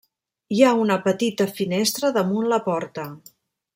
Hi ha una petita finestra damunt la porta.